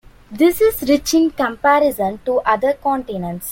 This is rich in comparison to other continents.